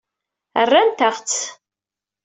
Rrant-aɣ-tt.